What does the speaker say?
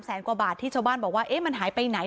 ๓แสนกว่าบาทที่เจ้าบ้านบอกว่ามันหายไปไหน